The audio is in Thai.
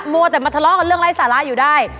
มัวแต่มาทะเลาะกับเรื่องไร้สาระอยู่ได้